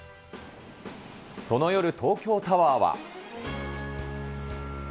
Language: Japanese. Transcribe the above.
その夜、東京タワーは。